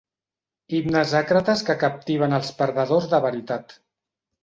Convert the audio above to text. Himnes àcrates que captiven els perdedors de veritat.